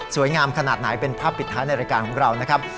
งามขนาดไหนเป็นภาพปิดท้ายในรายการของเรานะครับ